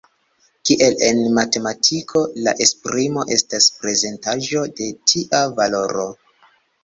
Kiel en matematiko, la esprimo estas prezentaĵo de tia valoro.